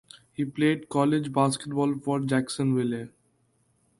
He played college basketball for Jacksonville.